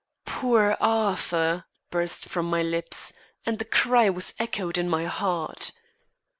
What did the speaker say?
"Poor Arthur!" burst from my lips, and the cry was echoed in my heart.